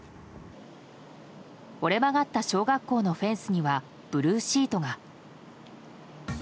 折れ曲がった小学校のフェンスにはブルーシートが。